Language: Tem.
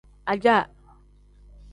Ajaa.